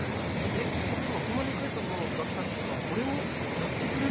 ってことはこのリクエストが来たってことはこれをやってくれるってことでいいのかな？